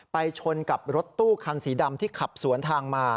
ชนกับรถตู้คันสีดำที่ขับสวนทางมา